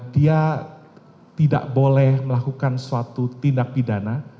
dia tidak boleh melakukan suatu tindak pidana